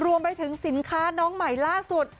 รวมไปถึงสินค้าน้องใหม่ล่าสุด